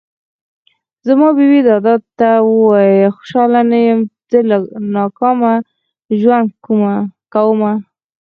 زما بې بې دادا ته وايه خوشحاله نه يم له ناکامه ژوند کومه